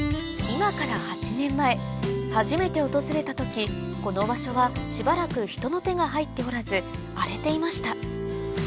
今から８年前初めて訪れた時この場所はしばらく人の手が入っておらず荒れていました